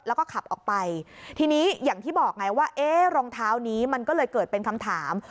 แล้วก็ขับออกไปทีนี้อย่างที่บอกไงว่าเอ๊ะรองเท้านี้มันก็เลยเกิดเป็นคำถาม